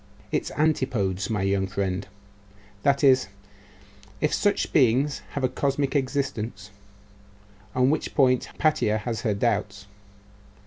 Its antipodes, my young friend that is, if such beings have a cosmic existence, on which point Hypatia has her doubts.